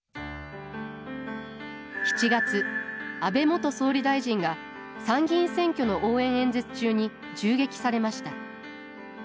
７月安倍元総理大臣が参議院選挙の応援演説中に銃撃されました。